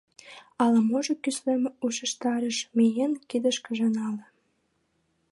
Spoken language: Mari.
Ала-можо кӱслем ушештарыш — миен, кидышкыже нале.